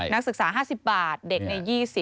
นักศึกษา๕๐บาทเด็กใน๒๐